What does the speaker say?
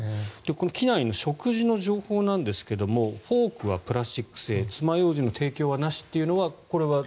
機内の食事の情報ですがフォークはプラスチック製つまようじの提供はなしこれは。